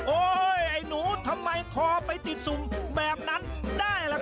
ไอ้หนูทำไมคอไปติดสุ่มแบบนั้นได้ล่ะครับ